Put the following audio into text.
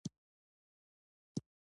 واوره د افغان ځوانانو لپاره دلچسپي لري.